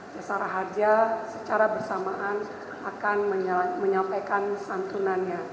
jasa raja secara bersamaan akan menyampaikan